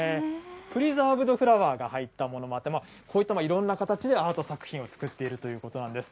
プリザーブドフラワーが入ったものもあって、こういったいろんな形でアート作品を作っているということなんです。